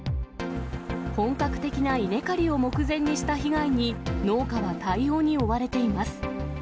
本格的な稲刈りを目前にした被害に、農家は対応に追われています。